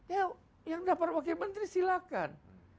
ya yang dapat wakil menteri silakan